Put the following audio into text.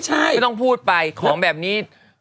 ไม่ต้องพูดไปของแบบนี้